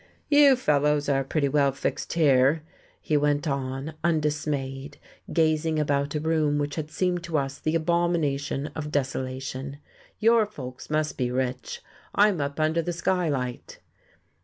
"You fellows are pretty well fixed here," he went on, undismayed, gazing about a room which had seemed to us the abomination of desolation. "Your folks must be rich. I'm up under the skylight."